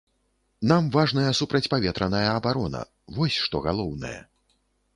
Нам важная супрацьпаветраная абарона, вось што галоўнае.